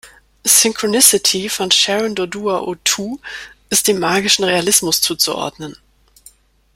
"Synchronicity" von Sharon Dodua Otoo ist dem magischen Realismus zuzuordnen.